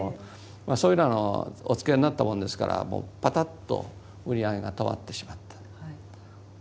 まあそういうなのがお付けになったものですからもうパタッと売り上げが止まってしまった。